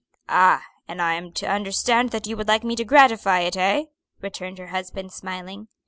"Ah! and I am to understand that you would like me to gratify it, eh?" returned her husband, smiling.